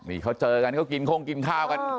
นี่เขาเจอกันเขากินโค้งกินข้าวกัน